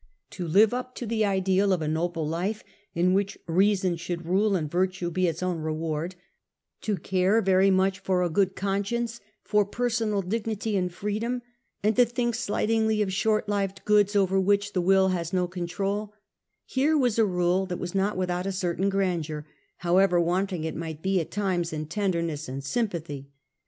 To live up to the ideal of a noble life, in which reason should rule and virtue be its own reward ; to care very much for a good conscience, for personal dignity and freedom, and to think slightingly of short lived goods over which the will has no control — here was a rule that was not without a certain grandeur, however wanting it might be at times in tenderness and sympathy.